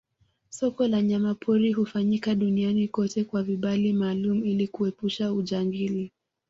Soko la nyama pori hufanyika Duniani kote kwa vibali maalumu ili kuepusha ujangili